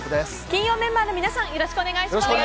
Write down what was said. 金曜メンバーの皆さんよろしくお願いします。